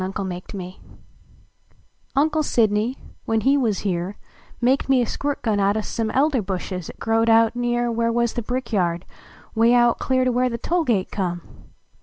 68 Tfy e UXC LK Sidney, when he wuz here, Maked me a squirt gun out o some Elder bushes at growed out near \Yhcre wuz the brickyard way out elear To where the toll gate come